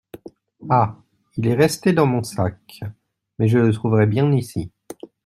Ah ! il est resté dans mon sac ; mais je trouverai bien ici…